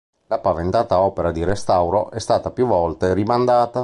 La paventata opera di restauro è stata più volte rimandata.